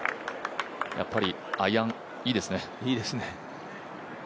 やっぱりアイアン、いいですね。